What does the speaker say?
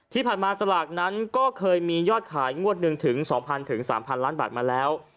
ที่ผ่านมาสลากนั้นก็เคยมียอดขายงวดหนึ่งถึง๒๐๐๓๐๐ล้านบาทมาแล้ว